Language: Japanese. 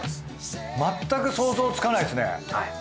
まったく想像つかないですね。